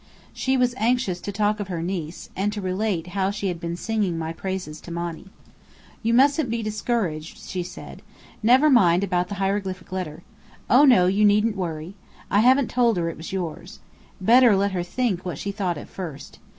She was anxious to talk of her niece, and to relate how she had been singing my praises to Monny. "You mustn't be discouraged," she said. "Never mind about the hieroglyphic letter. Oh, no, you needn't worry! I haven't told her it was yours. Better let her think what she thought at first.